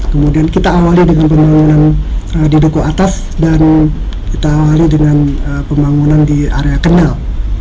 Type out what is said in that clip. kemudian kita awali dengan pembangunan di duku atas dan kita awali dengan pembangunan di area kendal